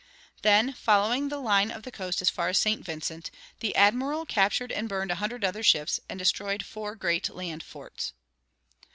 Then, following the line of coast as far as Saint Vincent, the admiral captured and burned a hundred other ships, and destroyed four great land forts.